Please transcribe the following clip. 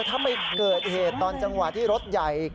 ถ้าไปเกิดเหตุตอนจังหวะที่รถใหญ่